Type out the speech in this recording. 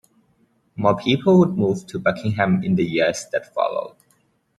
More people would move to Buckingham in the years that followed.